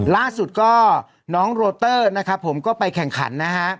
ล่าสุดก็น้องโรเตอร์นะครับผมก็ไปแข่งขันนะฮะ